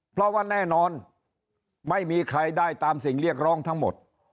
เพราะว่าแน่นอนไม่มีใครได้ตามสิ่งเรียกร้องทั้งหมด